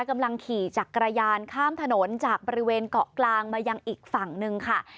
กำลังขี่จักรยานข้ามถนนจากบริเวณเกาะกลางมายังอีกฝั่งหนึ่งค่ะ